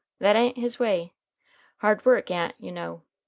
That a'n't his way. Hard work a'n't, you know.